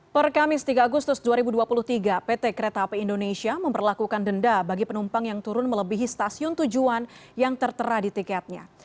per kamis tiga agustus dua ribu dua puluh tiga pt kereta api indonesia memperlakukan denda bagi penumpang yang turun melebihi stasiun tujuan yang tertera di tiketnya